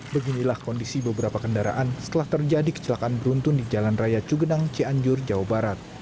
beginilah kondisi beberapa kendaraan setelah terjadi kecelakaan beruntun di jalan raya cugenang cianjur jawa barat